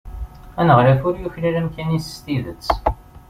Aneɣlaf ur yuklal amkan-is s tidet.